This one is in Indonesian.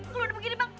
lo udah begini bang